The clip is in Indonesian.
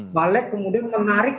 balik kemudian mengarik